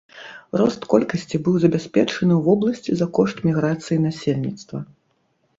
Рост колькасці быў забяспечаны ў вобласці за кошт міграцыі насельніцтва.